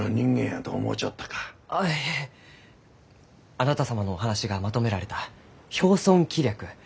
あなた様のお話がまとめられた「漂巽紀畧」